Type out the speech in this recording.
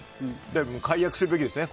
解約するべきですね